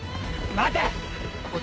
待て！